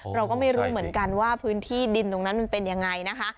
เราก็ไม่รู้เหมือนกันว่าพื้นที่ดินตรงนั้นมันเป็นยังไงนะคะ